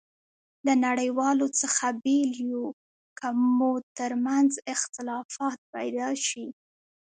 له نړیوالو څخه بېل یو، که مو ترمنځ اختلافات پيدا شي.